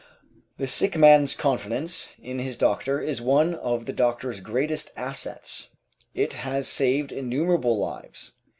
The sick man's confidence in his doctor is one of the doctor's greatest assets; it has saved innumerable lives.